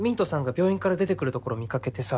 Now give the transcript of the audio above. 病院から出てくるところ見掛けてさ。